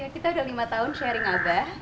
kita udah lima tahun sharing abah